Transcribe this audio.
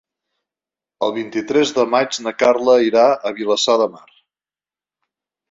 El vint-i-tres de maig na Carla irà a Vilassar de Mar.